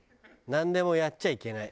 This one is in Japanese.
なんでもやっちゃいけない。